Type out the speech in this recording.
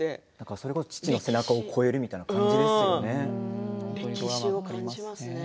それこそ父の背中を超えるみたいな感じですよね。